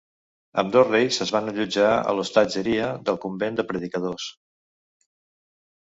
Ambdós reis es van allotjar a l'hostatgeria del convent de Predicadors.